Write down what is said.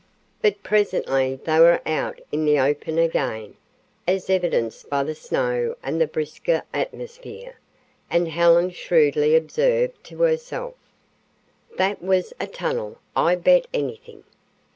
But presently they were out in the open again, as evidenced by the snow and the brisker atmosphere, and Helen shrewdly observed to herself: "That was a tunnel, I bet anything."